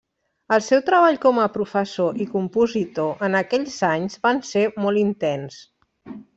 El seu treball com a professor i compositor en aquells anys van ser molt intens.